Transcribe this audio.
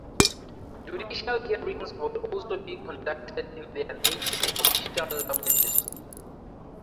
Judicial hearings would also be conducted in their native official languages.